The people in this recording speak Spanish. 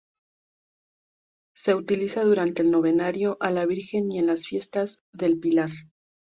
Se utiliza durante el novenario a la Virgen y en las Fiestas del Pilar.